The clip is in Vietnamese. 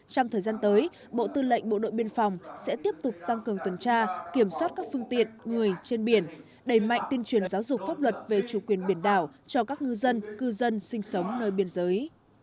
trong thời gian tới bộ tư lệnh bộ đội biên phòng sẽ tiếp tục tăng cường tuần tra kiểm soát các phương tiện người trên biển đẩy mạnh tuyên truyền giáo dục pháp luật về chủ quyền biển đảo cho các ngư dân cư dân sinh sống nơi biên giới